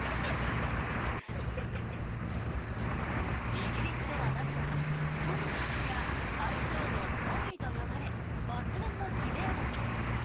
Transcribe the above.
イギリスではなぜかトニカクや愛称のトニーと呼ばれ抜群の知名度に。